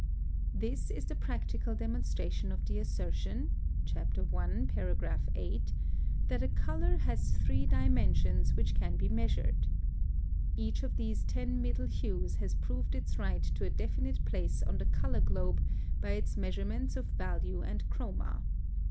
(116) This is the practical demonstration of the assertion (Chapter I., paragraph 8) that a color has three dimensions which can be measured. Each of these ten middle hues has proved its right to a definite place on the color globe by its measurements of value and chroma.